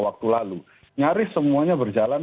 waktu lalu nyaris semuanya berjalan